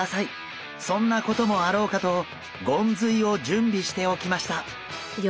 そんなこともあろうかとゴンズイを準備しておきました。